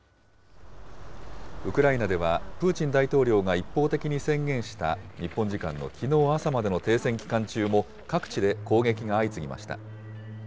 ウクライナでは、プーチン大統領が一方的に宣言した日本時間のきのう朝までの停戦期間中も、各地で攻撃が相次ぎました。